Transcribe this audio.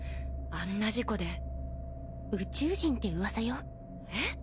あんな事故で宇宙人ってうわさよえっ！